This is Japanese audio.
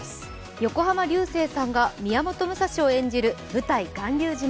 横浜流星さんが宮本武蔵を演じる舞台「巌流島」。